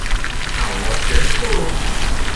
عباس چش بود؟